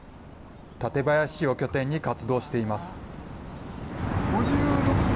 館林市を拠点に活動しています。